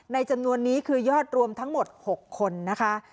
จำนวนนี้คือยอดรวมทั้งหมด๖คนนะคะ